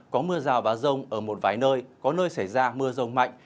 có mưa rào và rông ở một vài nơi có nơi xảy ra mưa rông mạnh